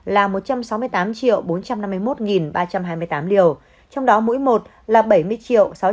là một trăm sáu mươi tám bốn trăm năm mươi một ba trăm hai mươi tám liều trong đó mũi một là bảy mươi sáu trăm chín mươi chín tám trăm bảy mươi ba liều